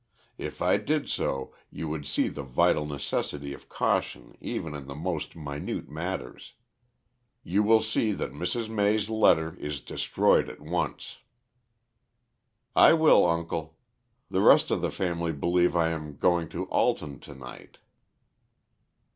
If I did so, you would see the vital necessity of caution even in the most minute matters. You will see that Mrs. May's letter is destroyed at once." "I will, uncle. The rest of the family believe I am going to Alton to night."